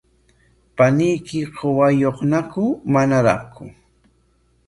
¿Paniyki qusayuqñaku manaraqku?